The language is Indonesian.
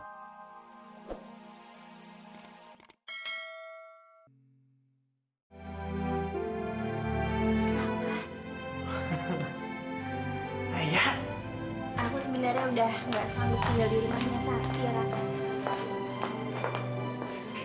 aku sebenarnya udah gak sanggup tinggal di rumahnya saat ini ya raka